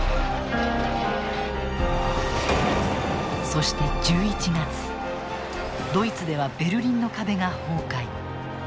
そして１１月ドイツではベルリンの壁が崩壊。